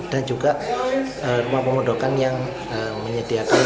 dan juga rumah pemudokan yang menyebutkan